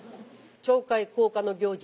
町会・校下の行事